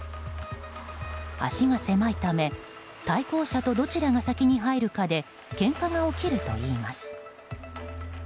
橋が狭いため対向車とどちらが先に入るかでけんかが起きるといいます。